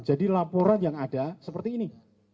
jadi laporan yang ada seperti ini